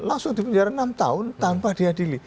langsung dipenjara enam tahun tanpa diadili